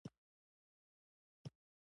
تخارستان د اوسني شمالي افغانستان برخه وه